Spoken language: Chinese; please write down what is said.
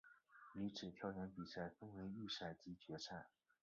女子跳远比赛分为预赛及决赛。